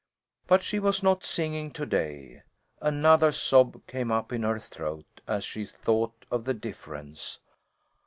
But she was not singing to day. Another sob came up in her throat as she thought of the difference.